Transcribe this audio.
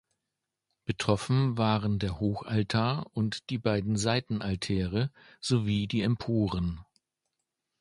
Betroffen waren der Hochaltar und die beiden Seitenaltäre sowie die Emporen.